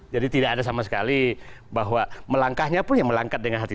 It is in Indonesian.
jadi tidak ada sama sekali bahwa melangkahnya pun ya melangkah dengan hati